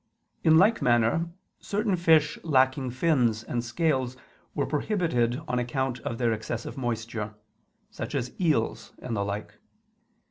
In like manner certain fish lacking fins and scales were prohibited on account of their excessive moisture; such as eels and the like.